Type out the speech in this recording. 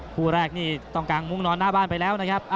คู่แรกนี่ต้องกางมุ้งนอนหน้าบ้านไปแล้วนะครับ